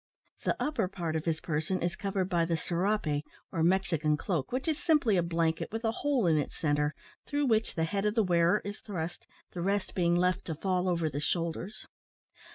The upper part of his person is covered by the serape, or Mexican cloak, which is simply a blanket, with a hole in its centre, through which the head of the wearer is thrust, the rest being left to fall over the shoulders.